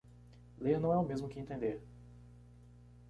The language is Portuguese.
Ler não é o mesmo que entender.